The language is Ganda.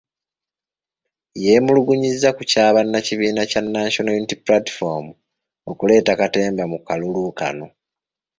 Yeemulugunyizza ku kya bannakibiina kya National Unity Platform okuleeta katemba mu kalulu kano .